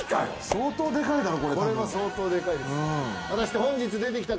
相当でかいだろこれ。